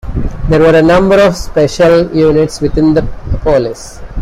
There were a number of special units within the police.